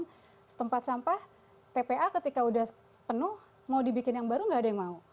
dan setempat sampah tpa ketika sudah penuh mau dibikin yang baru tidak ada yang mau